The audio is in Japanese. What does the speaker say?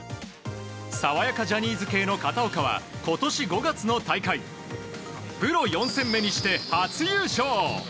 爽やかジャニーズ系の片岡は今年５月の大会プロ４戦目にして初優勝。